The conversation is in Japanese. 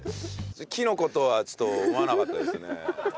キノコとはちょっと思わなかったですね。